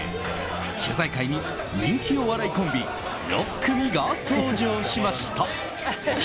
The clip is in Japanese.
取材会に人気お笑いコンビ６組が登場しました。